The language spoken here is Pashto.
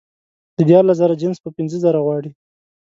د دیارلس زره جنس په پینځه زره غواړي